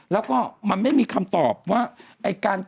แล้วก็มันไม่มีคำตอบว่า